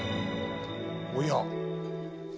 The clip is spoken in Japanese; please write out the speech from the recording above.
おや？